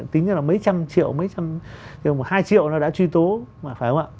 tính ra là mấy trăm triệu mấy trăm hai triệu nó đã truy tố phải không ạ